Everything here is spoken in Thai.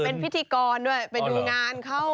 เป็นพิธีกรด้วยไปดูงานเขา